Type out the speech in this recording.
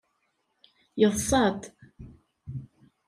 Yeḍṣa-d.